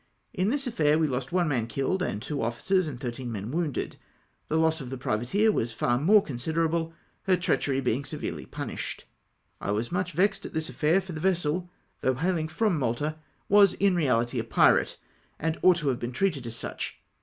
In this affair we lost one man Idlled, and two officers and thirteen men womided. The loss of the privateer was far more considerable, her treachery being severely pmiished. I was much vexed at this affair, for the vessel, though hailing fi'om Malta, was in reahty a pkate, and ought to have been treated as such.